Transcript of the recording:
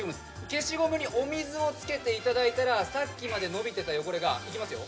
消しゴムにお水をつけていただいたらさっきまで伸びてた汚れがいきますよ